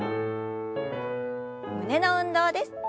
胸の運動です。